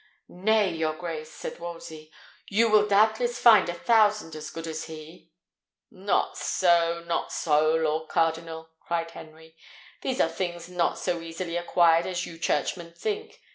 "Nay, your grace," said Wolsey, "you will doubtless find a thousand as good as he." "Not so! not so, lord cardinal!" cried Henry; "these are things not so easily acquired as you churchmen think.